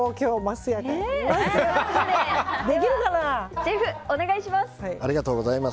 シェフ、お願いします。